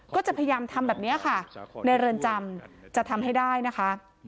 ก็จะพยายามทำแบบนี้ค่ะในเรือนจำจะทำให้ได้นะคะ